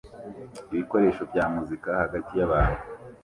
ibikoresho bya muzika hagati yabantu